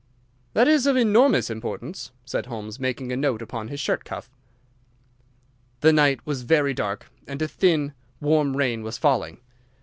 "That is of enormous importance," said Holmes, making a note upon his shirt cuff. "The night was very dark, and a thin, warm rain was falling.